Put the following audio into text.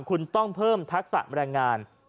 คุณต้องเพิ่มทักษะแรงงาน